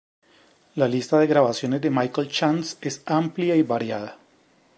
La lista de grabaciones de Michael Chance es amplia y variada.